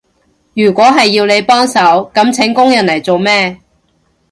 如果係要你幫手，噉請工人嚟做咩？